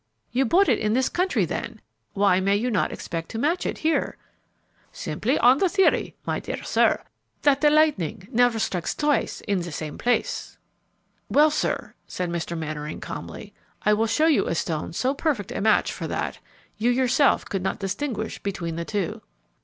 "You bought it in this country, then? Why may you not expect to match it here?" "Simply on the theory, my dear sir, that the lightning never strikes twice in the same place." "Well, sir," said Mr. Mannering, calmly, "I will show you a stone so perfect a match for that, you yourself could not distinguish between the two."